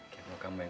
terima kasih sayang